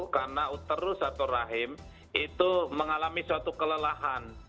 karena uterus atau rahim itu mengalami suatu kelelahan